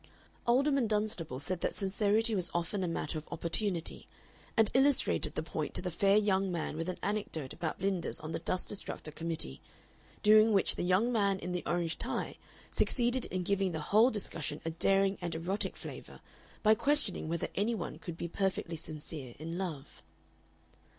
Alderman Dunstable said that sincerity was often a matter of opportunity, and illustrated the point to the fair young man with an anecdote about Blinders on the Dust Destructor Committee, during which the young man in the orange tie succeeded in giving the whole discussion a daring and erotic flavor by questioning whether any one could be perfectly sincere in love.